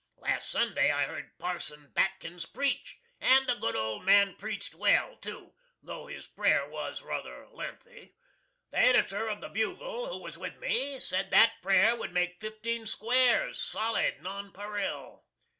Last Sunday I heard Parson Batkins preach, and the good old man preached well, too, tho' his prayer was ruther lengthy. The Editor of the "Bugle," who was with me, sed that prayer would make fifteen squares, solid nonparil.